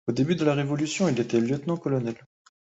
Au début de la révolution, il était lieutenant-colonel..